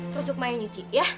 terus sukma yang nyuci ya